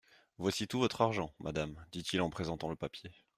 Voici tout votre argent, madame, dit-il en présentant le papier.